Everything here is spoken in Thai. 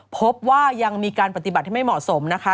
พบว่ายังมีการปฏิบัติที่ไม่เหมาะสมนะคะ